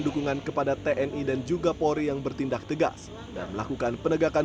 dukungan kepada tni dan juga polri yang bertindak tegas dan melakukan penegakan